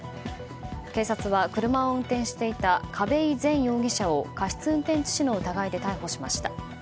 警察は、車を運転していた嘉部井然容疑者を過失運転致死の疑いで逮捕しました。